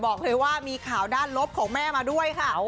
บอกเลยว่ามีข่าวด้านลบของแม่มาด้วยค่ะ